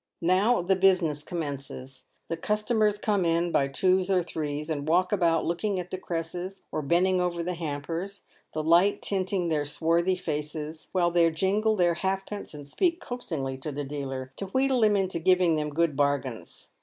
Now the business commences ; the customers come in by twos or threes, and walk about looking at the cresses or bending over the hampers, the light tinting their swarthy faces, while they jingle their halfpence and speak coaxingly to the dealer, to wheedle him into giving them good bargains.